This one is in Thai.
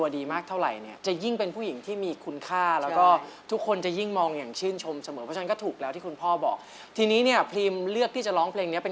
เรารับกันชอบกันด้วยใจ